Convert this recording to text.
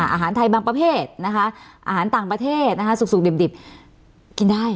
อาหารไทยบางประเภทนะคะอาหารต่างประเทศนะคะสุกดิบกินได้